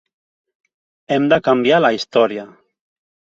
Hem de canviar la història.